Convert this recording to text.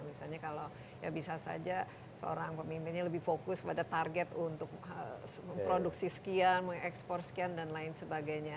misalnya kalau ya bisa saja seorang pemimpinnya lebih fokus pada target untuk memproduksi sekian mengekspor sekian dan lain sebagainya